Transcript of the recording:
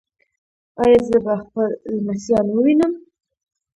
ایا زه به خپل لمسیان ووینم؟